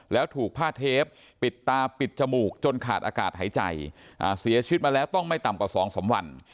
แล้วถูกผ้าเทปปิดตาปิดจมูกจนขาดอากาศหายใจเสียชีวิตมาแล้วต้องไม่ต่ำกว่า๒๓วัน